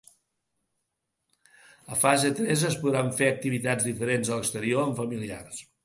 A fase tres es podran fer activitats diferents a l’exterior amb familiars.